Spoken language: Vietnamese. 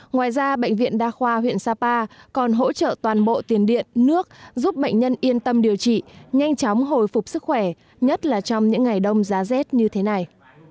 ngoài ra bệnh viện đa khoa huyện sapa còn hỗ trợ toàn bộ tiền điện nước giúp bệnh nhân yên tâm điều trị nhanh chóng hồi phục sức khỏe nhất là trong những ngày đông giá rét như thế này